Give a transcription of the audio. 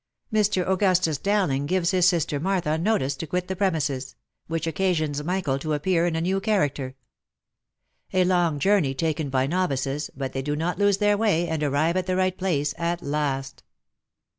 MR. AUGUSTUS DOWLING GIVES HIS SISTER MARTHA NOTICE TO QUIT THE PREMISES*, WHICH OCCASIONS MICHAEL TO APPEAR IN A NEW CHARACTER A LONG JOURNEY TAKEN EY NOVICES*, BUT THEY DO NOT LOSE THEIR WAY, AND ARRIVE AT THE RIGHT PLACE AT LAST.